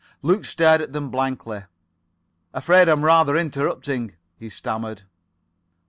Luke stared at them blankly. "Afraid I'm rather interrupting," he stammered.